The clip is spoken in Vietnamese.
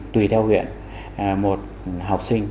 tùy theo huyện một học sinh